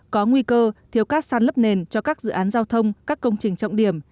có nguy cơ thiếu cát sàn lấp nền cho các dự án giao thông các công trình trọng điểm